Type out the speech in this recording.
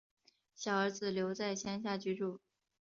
小儿子留在乡下居住